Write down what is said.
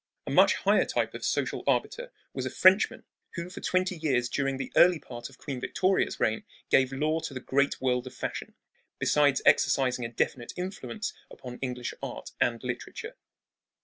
A much higher type of social arbiter was a Frenchman who for twenty years during the early part of Queen Victoria's reign gave law to the great world of fashion, besides exercising a definite influence upon English art and literature.